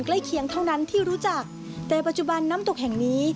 ใกล้เคียงเท่านั้นที่รู้จักแต่ปัจจุบันน้ำตกแห่งนี้